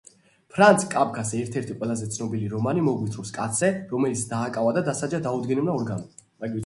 ფრანც კაფკას ერთ-ერთი ყველაზე ცნობილი რომანი მოგვითხრობს კაცზე, რომელიც დააკავა და დასაჯა დაუდგენელმა ორგანომ.